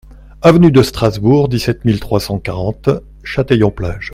Avenue de Strasbourg, dix-sept mille trois cent quarante Châtelaillon-Plage